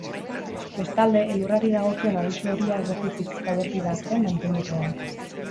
Bestalde, elurrari dagokion abisu horia eguerditik gauerdira artean mantenduko da.